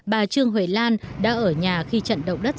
bà trương huệ lan đã ở nhà khi trận động đất